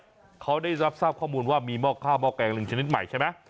ทีมนักวิจัยเขาได้รับทราบข้อมูลว่ามีม่อข้าวมาแกงลิงชนิดใหม่ใช่มั้ย